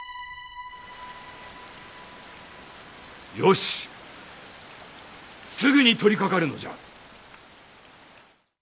よしすぐに取りかかるのじゃ。